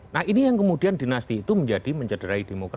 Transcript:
nah ini yang kemudian dinasti itu menjadi mencederai di mana mana